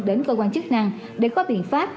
đến cơ quan chức năng để có biện pháp